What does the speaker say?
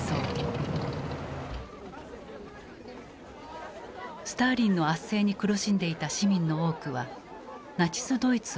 スターリンの圧政に苦しんでいた市民の多くはナチスドイツを歓迎した。